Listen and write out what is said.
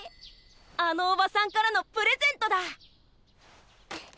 あのおばさんからのプレゼントだ！